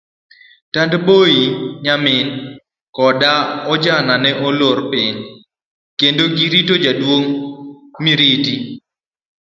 Tandboi, nyamin, koda ojana ne olor piny, kendo girito jaduong' Miriti.